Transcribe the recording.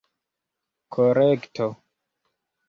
korekto